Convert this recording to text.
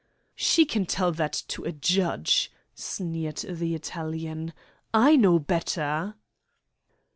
"She can tell that to a judge," sneered the Italian. "I know better."